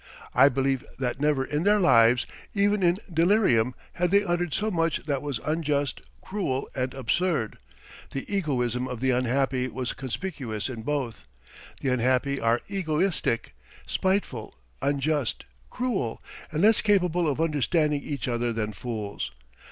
I believe that never in their lives, even in delirium, had they uttered so much that was unjust, cruel, and absurd. The egoism of the unhappy was conspicuous in both. The unhappy are egoistic, spiteful, unjust, cruel, and less capable of understanding each other than fools.